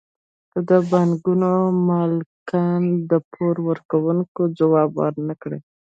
که د بانکونو مالکان د پور ورکوونکو ځواب ورنکړي